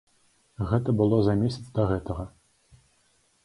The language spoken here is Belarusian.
Гэта было за месяц да гэтага.